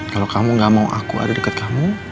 kalo kamu gamau aku ada deket kamu